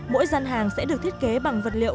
mỗi gian hàng sẽ được thiết kế bằng vật liệu